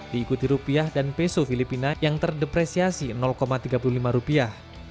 diikuti rupiah dan peso filipina yang terdepresiasi tiga puluh lima rupiah